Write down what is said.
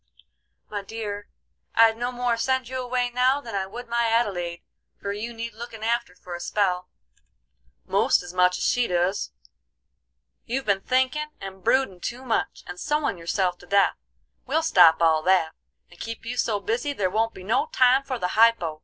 "My dear, I'd no more send you away now than I would my Adelaide, for you need looking after for a spell, most as much as she doos. You've been thinkin' and broodin' too much, and sewin' yourself to death. We'll stop all that, and keep you so busy there won't be no time for the hypo.